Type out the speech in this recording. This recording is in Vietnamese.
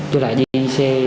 tôi lại đi xe